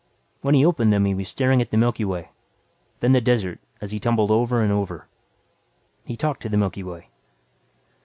When he opened them he was staring at the Milky Way, then the desert as he tumbled over and over. He talked to the Milky Way.